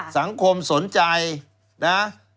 สังคมสนใจนะ